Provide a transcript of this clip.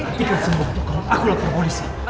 nanti kesembuhan tuh kalau aku lakukan polisi